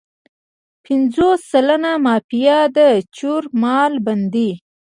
پنځوس سلنه مافیا د چور مال باندې.